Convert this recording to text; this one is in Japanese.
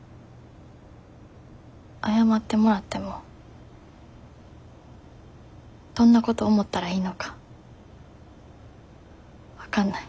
謝ってもらってもどんなこと思ったらいいのか分かんない。